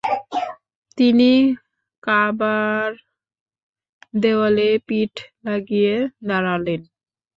তিনি কাবার দেয়ালে পিঠ লাগিয়ে দাঁড়ালেন।